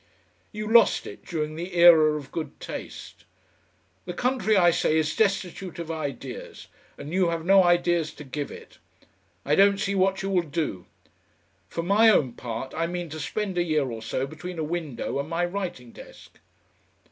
You lost it during the Era of Good Taste. The country, I say, is destitute of ideas, and you have no ideas to give it. I don't see what you will do.... For my own part, I mean to spend a year or so between a window and my writing desk."